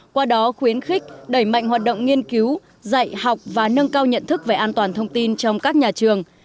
qua đó khuyến khích đẩy mạnh hoạt động nghiên cứu dạy học và nâng cao nhận thức về an toàn thông tin trong các nhà trường